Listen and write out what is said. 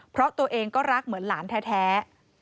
เพราะตัวเองก็รักเหมือนหลานแท้